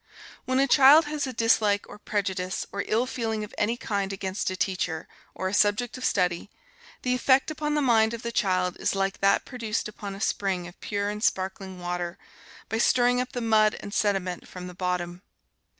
When a child has a dislike or prejudice or ill feeling of any kind against a teacher, or a subject of study, the effect upon the mind of the child is like that produced upon a spring of pure and sparkling water by stirring up the mud and sediment from the bottom.